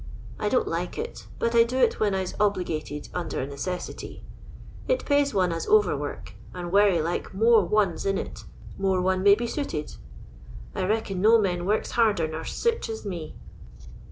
I don't like it, but I do it when I 's ob ligated under a necessity. It pays one as over work ; and werry like more one 's in it, more one may be soitod. I reckon no men works harder nor ncfa as me.